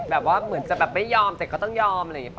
แบบว่าเหมือนจะไม่ยอมเสร็จก็ต้องยอมอะไรอย่างนี้ปะ